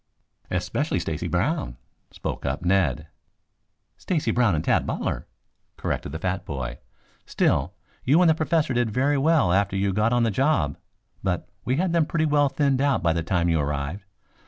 "Especially Stacy Brown," spoke up Ned. "Stacy Brown and Tad Butler," corrected the fat boy. "Still, you and the Professor did very well after you got on the job. But we had them pretty well thinned out by the time you arrived.